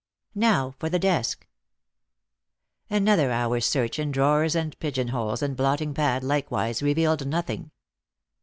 "Now for the desk." Another hour's search in drawers and pigeonholes and blotting pad likewise revealed nothing.